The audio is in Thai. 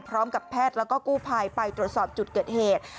พร้อมกับแพทย์แล้วก็กู้ภัยไปตรวจสอบจุดเกิดเหตุ